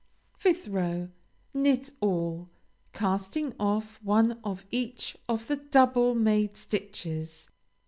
5th row Knit all; casting off one of each of the double made stitches.